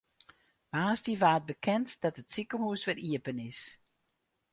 Woansdei waard bekend dat it sikehûs wer iepen is.